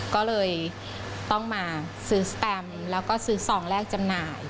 ก็เลยต้องมาซื้อสแตมแล้วก็ซื้อซองแรกจำหน่าย